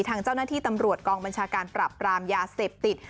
ทางเจ้าหน้าที่ตำรวจกองบัญชาการปรับปรามยาเสพติด